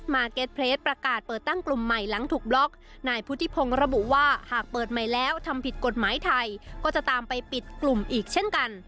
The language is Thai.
เก็ตเพลสประกาศเปิดตั้งกลุ่มใหม่หลังถูกบล็อกนายพุทธิพงศ์ระบุว่าหากเปิดใหม่แล้วทำผิดกฎหมายไทยก็จะตามไปปิดกลุ่มอีกเช่นกัน